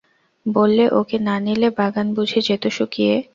বললে, ওঁকে না নিলে বাগান বুঝি যেত শুকিয়ে?